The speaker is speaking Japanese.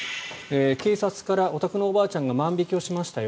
警察から、お宅のおばあちゃんが万引きしましたよ